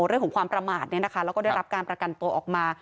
เรื่องของความประมาทแล้วก็ได้รับการประกันตัวออกมา